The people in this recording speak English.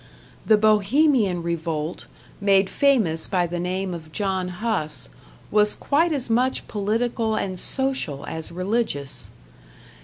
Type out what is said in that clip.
The Bohemian revolt, made famous by the name of John Huss, was quite as much political and social as religious.